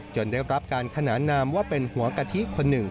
ได้รับการขนานนามว่าเป็นหัวกะทิคนหนึ่ง